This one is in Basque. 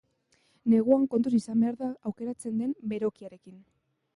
Neguan kontuz izan behar da aukeratzen den berokiarekin.